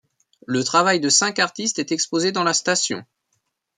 Le travail de cinq artistes est exposé dans la station.